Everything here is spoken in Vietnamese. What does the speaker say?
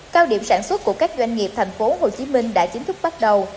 cao điểm sản xuất của các doanh nghiệp thành phố hồ chí minh đã chính thức bắt đầu